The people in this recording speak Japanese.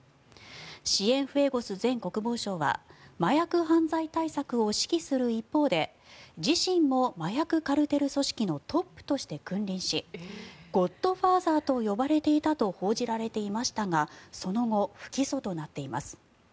シエンフエゴス前国防相は麻薬犯罪対策を指揮する一方で自身も麻薬カルテル組織のトップとして君臨しゴッドファーザーと呼ばれていたと報じられていましたがその後、不起訴となっています。